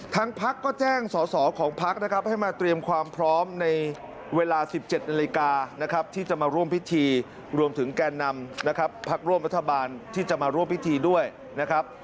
พักก็แจ้งสอสอของพักนะครับให้มาเตรียมความพร้อมในเวลา๑๗นาฬิกานะครับที่จะมาร่วมพิธีรวมถึงแก่นำนะครับพักร่วมรัฐบาลที่จะมาร่วมพิธีด้วยนะครับ